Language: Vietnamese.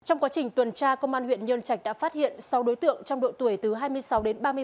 trong quá trình tuần tra công an huyện nhân trạch đã phát hiện sáu đối tượng trong độ tuổi từ hai mươi sáu đến ba mươi sáu